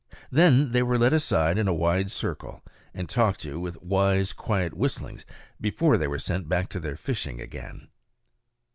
Then they were led aside in a wide circle and talked to with wise, quiet whistlings before they were sent back to their fishing again.